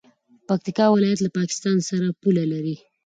پکتیکا ولایت له پاکستان سره پوله لري.